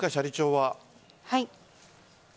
はい。